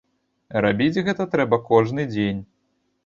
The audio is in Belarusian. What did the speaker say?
Рабіць гэта трэба кожны дзень.